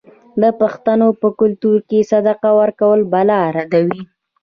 د پښتنو په کلتور کې صدقه ورکول بلا ردوي.